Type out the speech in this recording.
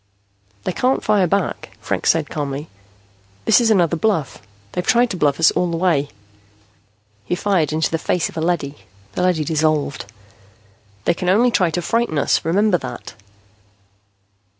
"They can't fire back," Franks said calmly. "This is another bluff. They've tried to bluff us all the way." He fired into the face of a leady. The leady dissolved. "They can only try to frighten us. Remember that."